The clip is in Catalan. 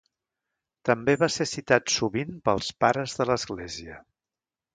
També va ser citat sovint pels Pares de l'Església.